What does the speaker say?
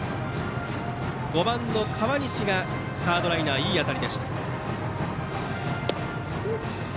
５番の河西がサードライナーいい当たりでした。